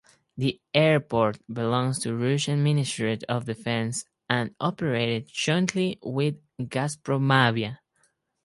The airport belongs to Russian Ministry of defence and operated jointly with Gazpromavia.